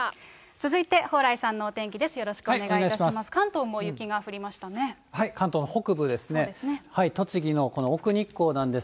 続いて蓬莱さんのお天気です。